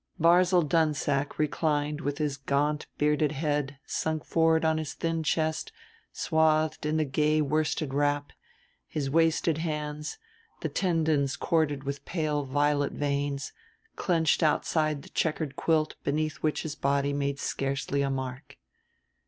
Barzil Dunsack reclined with his gaunt bearded head sunk forward on his thin chest swathed in the gay worsted wrap, his wasted hands, the tendons corded with pale violet veins, clenched outside the checkered quilt beneath which his body made scarcely a mark.